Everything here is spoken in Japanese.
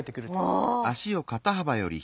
ああ！